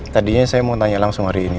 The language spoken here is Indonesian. tadinya saya mau tanya langsung hari ini